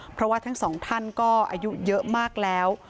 เพราะว่าทั้งสองท่านก็อายุเยอะมากแล้ว